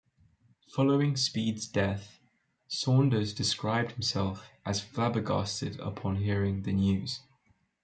Following Speed's death, Saunders described himself as 'flabbergasted' upon hearing the news.